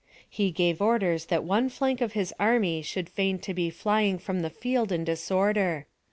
He gave orders that one flank of his army should fain to be flying from the field in disorder.